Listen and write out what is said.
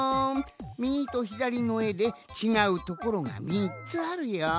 みぎとひだりのえでちがうところが３つあるよ。